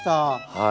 はい。